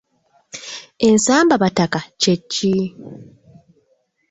Ensambabataka kye ki?